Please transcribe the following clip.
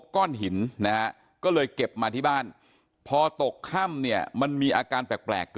แล้วท่านผู้ชมครับบอกว่าตามความเชื่อขายใต้ตัวนะครับ